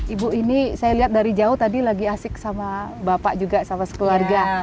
ibu ini saya lihat dari jauh tadi lagi asik sama bapak juga sama sekeluarga